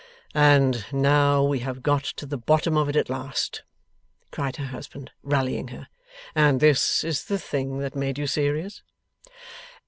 'And now we have got to the bottom of it at last,' cried her husband, rallying her, 'and this is the thing that made you serious?